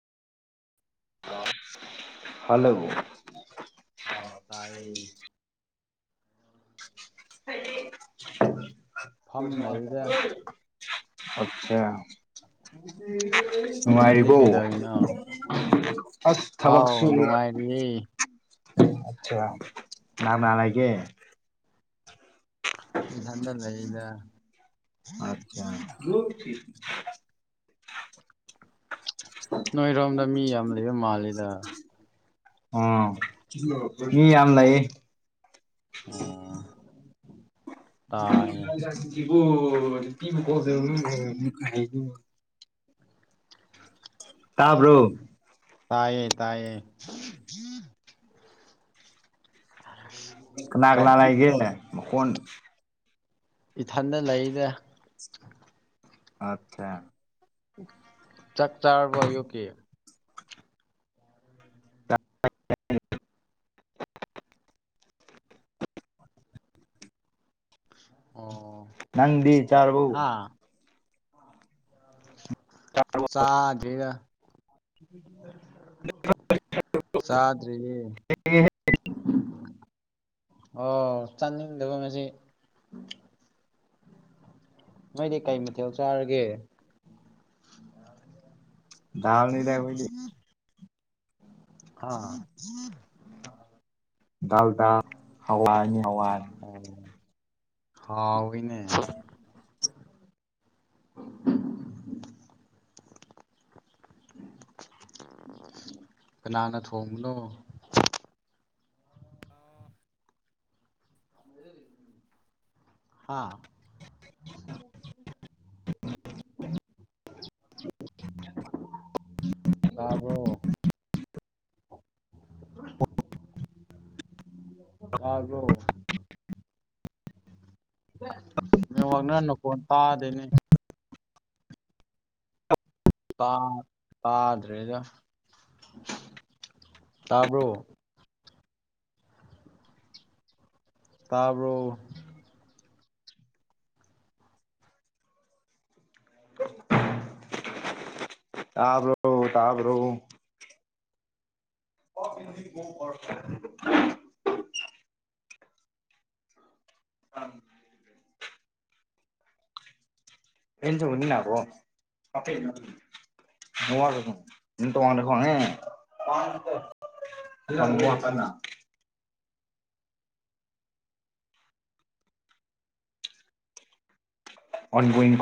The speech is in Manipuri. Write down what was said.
ꯍꯜꯂꯣ ꯑꯥꯎ ꯇꯥꯏꯌꯦ [inaudible] ꯐꯝ ꯂꯩꯗ [unintelligible] ꯑꯣꯖꯥ ꯅꯪꯗꯤ ꯅꯨꯡꯉꯥꯏꯔꯤꯕꯣ ꯀꯩꯗꯧꯔꯤꯅꯣ ꯑꯁ ꯑꯥꯎ ꯊꯕꯛꯁꯨꯨꯕ ꯅꯨꯡꯉꯥꯏꯔꯤꯌꯦ ꯑꯠꯆꯥ ꯀꯅꯥꯅ ꯂꯩꯒꯦ ꯏꯊꯟꯗ ꯂꯩꯗ ꯑꯠꯆꯥ [inaudible] ꯅꯣꯏꯔꯣꯝꯗ ꯃꯤ ꯌꯥꯝ ꯂꯩꯕ ꯃꯥꯜꯂꯤꯗ ꯑꯪ ꯃꯤ ꯌꯥꯝ ꯂꯩꯌꯦ ꯑꯣ ꯇꯥꯏꯌꯦ [unintelligible] ꯇꯥꯕ꯭ꯔꯣ ꯇꯥꯕ꯭ꯔꫭ ꯇꯥꯏꯌꯦ ꯇꯥꯏꯌꯦ [inaudible] ꯀꯅꯥ ꯀꯅꯥ ꯂꯩꯒꯦ ꯃꯈꯣꯟ ꯏꯊꯟꯗ ꯂꯩꯗ ꯑꯠꯆꯥ ꯆꯥꯛ ꯆꯥꯔꯕꯣ ꯑꯌꯨꯛꯀꯤ [unintelligible] ꯑꯣ ꯅꯪꯗꯤ ꯆꯥꯔꯕꫭ ꯍꯥ ꯆꯥꯗ꯭ꯔꯤꯗ [unintelligible] ꯆꯥ [unintelligible] ꯑꯣ ꯆꯥꯅꯤꯡꯗꯕ ꯉꯁꯤ ꯅꯣꯏꯗꯤ ꯀꯩ ꯃꯊꯦꯜ ꯆꯥꯔꯒꯦ ꯗꯥꯜꯅꯤꯗ ꯑꯈꯣꯏꯗꯤ ꯍꯥ ꯗꯥꯜ ꯗꯥꯜ ꯍꯋꯥꯥꯏꯅꯤ ꯍꯋꯥꯏ ꯑꯣ ꯍꯥꯎꯋꯤꯅꯦ ꯀꯅꯥꯅ ꯊꯣꯡꯕꯅꯣ ꯍꯥꯥ [inaudible] ꯇꯥꯕ꯭ꯔꯣ [inaudible] ꯇꯥꯕ꯭ꯔꯣ ꯅꯦꯋꯥꯥꯛꯅ ꯅꯈꯣꯟ ꯇꯥꯗꯦꯅꯦ ꯥ ꯇꯥ ꯇꯥꯗ꯭ꯔꯦꯗ ꯇꯥꯕ꯭ꯔꯣ ꯇꯥꯕ꯭ꯔꯣ [unintelligible] ꯇꯥꯕ꯭ꯔꯣ ꯇꯥꯕ꯭ꯔꯣ [unintelligible] [unintelligible] [unintelligible] ꯅꯇꯩꯃꯒꯤꯅꯤ [unintelligible] [unintelligible] ꯀꯟꯅ ꯑꯥꯎꯠ ꯒꫭꯏꯪ